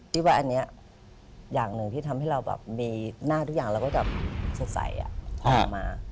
พี่ว่าอันนี้อย่างหนึ่งที่ทำให้เรามีหน้าทุกอย่างเราก็แบบสดใสอ่ะ